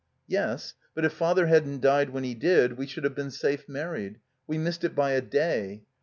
"Yes. But if Father hadn't died when he did we should have been safe married. We missed it by a day.